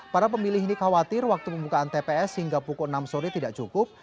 para pemilih ini khawatir waktu pembukaan tps hingga pukul enam sore tidak cukup